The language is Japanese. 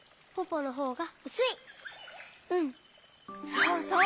そうそう！